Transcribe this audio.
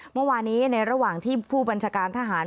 เมื่อวานี้ในระหว่างที่ผู้บัญชาการทหาร